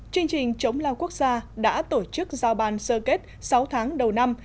chương trình chống lao quốc gia đã tổ chức giao bàn sơ kết sáu tháng đầu năm